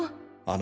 あ。